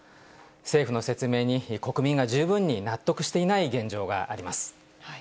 政府の説明に国民が十分に納得していない現状があります。